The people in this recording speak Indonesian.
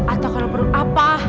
atau kalau perlu apa